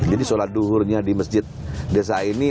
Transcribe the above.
jadi sholat duhurnya di masjid desa ini